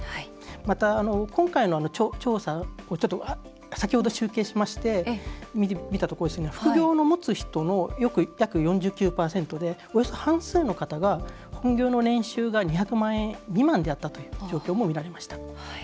また、今回の調査先ほど集計して見たところ副業をもつ人の約４９％およそ半数の方が本業の年収が２００万円未満だったという状況もみられました。